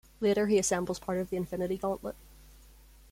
Later he assembles part of the Infinity Gauntlet.